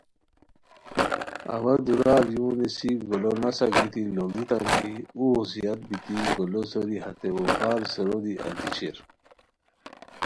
اوا دُورار یونیسی گولو نسہ گیتی لُوڑیتام کی اوغ زیاد بیتی گولو سوری ہتے اوخار سیرو دی التی شیر